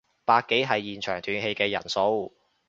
百幾係現場斷氣嘅人數